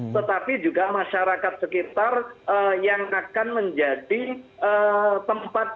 tetapi juga masyarakat sekitar yang akan menjadi tempat